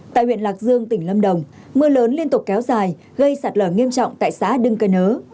tại huyện lạc dương tỉnh lâm đồng mưa lớn liên tục kéo dài gây sạt lở nghiêm trọng tại xã đưng cơ nớ